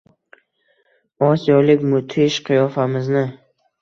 Osiyolik mudhish qiyofamizni!